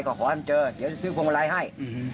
ก็ขอให้เจอเดี๋ยวจะซื้อพวงมาลัยให้